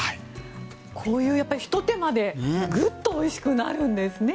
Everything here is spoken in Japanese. こういうひと手間でグッとおいしくなるんですね。